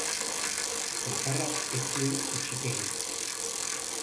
Nafarrak ez zuen hutsik egin.